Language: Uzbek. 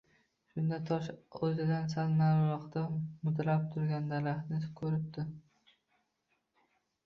Shunda tosh o‘zidan sal nariroqda mudrab turgan daraxtni ko‘ribdi